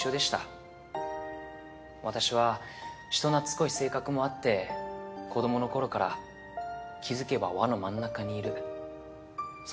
私は人懐っこい性格もあって子供の頃から気づけば輪の真ん中にいるそんな子でした。